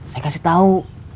saya kasih tau